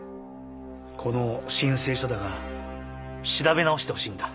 この申請書だが調べ直してほしいんだ。